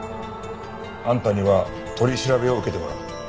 あんたには取り調べを受けてもらう。